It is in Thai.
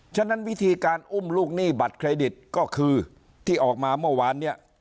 ฉะนั้นวิธีการอุ้มลูกหนี้บัตรเครดิตก็คือที่ออกมาเมื่อวานเนี่ย